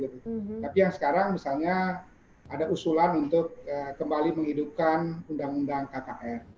tapi yang sekarang misalnya ada usulan untuk kembali menghidupkan undang undang kkn